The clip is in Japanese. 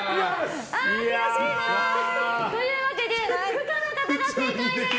悔しいな。というわけで不可の方が正解です。